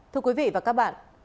thưa quý vị và các bạn